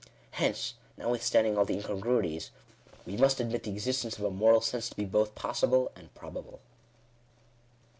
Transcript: Hence, notwithstanding all , the incongruities, we must admit the exiatgncg jrf a Moral Sense to be both possible and probable.